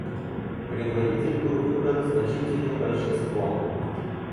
Предводитель был выбран значительным большинством.